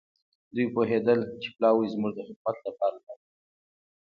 دوی پوهېدل چې پلاوی زموږ د خدمت لپاره راغلی.